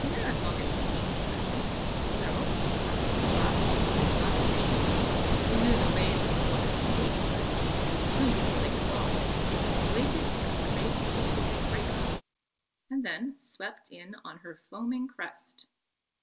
The Rarotongans seemed friendly; so Papeiha and Vahineino, who knew the ways of the water from babyhood and could swim before they could walk, waited for a great Pacific breaker, and then swept in on her foaming crest.